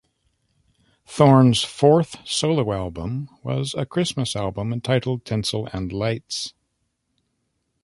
Thorn's fourth solo album was a Christmas album entitled "Tinsel and Lights".